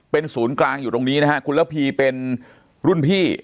เป็นศูนย์กลางอยู่ตรงนี้นะฮะคุณระพีเป็นรุ่นพี่